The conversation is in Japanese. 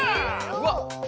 うわっ。